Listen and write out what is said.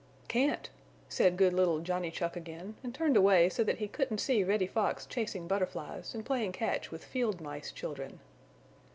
"Can't," said good little Johnny Chuck again, and turned away so that he couldn't see Reddy Fox chasing Butterflies and playing catch with Field Mice children.